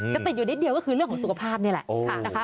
จะติดอยู่นิดเดียวก็คือเรื่องของสุขภาพนี่แหละนะคะ